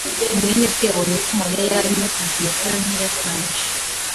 [S] mwene se yabonye ko Mariya yari mugufi kuri santimetero nke kumurusha.